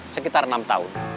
sekitar enam tahun